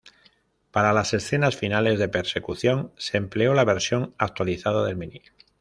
Para las escenas finales de persecución se empleó la versión actualizada del Mini.